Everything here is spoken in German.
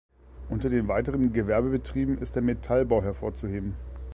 Unter den weiteren Gewerbebetrieben ist der Metallbau hervorzuheben.